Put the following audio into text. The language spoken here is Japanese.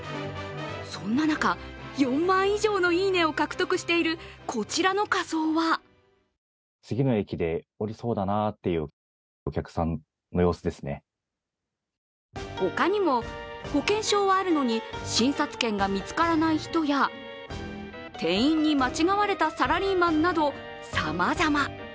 そんな中、４万以上のいいねを獲得しているこちらの仮装は他にも保険証はあるのに診察券が見つからない人や店員に間違われたサラリーマンなど、さまざま。